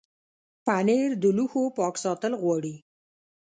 پنېر د لوښو پاک ساتل غواړي.